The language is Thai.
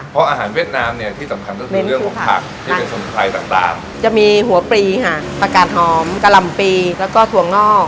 จะตามจะมีหัวปรีค่ะประกาศหอมกะหล่ำปรีแล้วก็ถั่วงอก